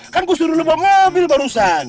kan gue suruh lo bawa mobil barusan